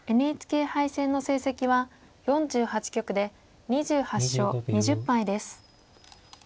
ＮＨＫ杯戦の成績は４８局で２８勝２０敗です。